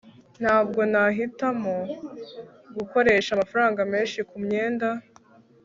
ntabwo nahitamo gukoresha amafaranga menshi kumyenda